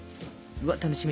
うわっ楽しみ。